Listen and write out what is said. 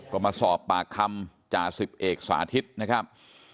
ก็มาสอบปากคำจ่าสิบเอกสาธิตนะครับ